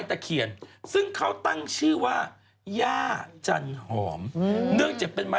พอดีเลยจังหว่างแอลไจ้ห์สวยจริงป่ะ